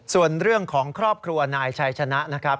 ส่วนเรื่องของครอบครัวนายชัยชนะนะครับ